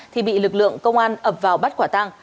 thì bị lực lượng công an ập vào bắt quả tang